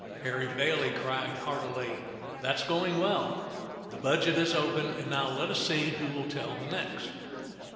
Harry Bailey cried heartily, "That's going well. The budget is open, and now let us see who will tell the next.